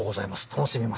楽しみます。